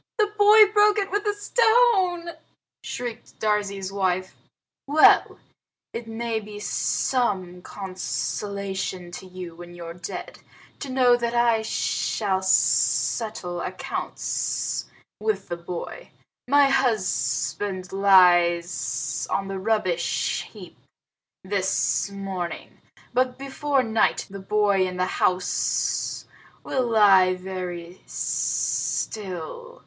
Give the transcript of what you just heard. "The boy broke it with a stone!" shrieked Darzee's wife. "Well! It may be some consolation to you when you're dead to know that I shall settle accounts with the boy. My husband lies on the rubbish heap this morning, but before night the boy in the house will lie very still.